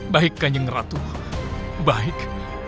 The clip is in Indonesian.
baik kanjeng ratu baik